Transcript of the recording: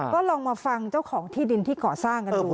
ก็ลองมาฟังเจ้าของที่ดินที่ก่อสร้างกันดู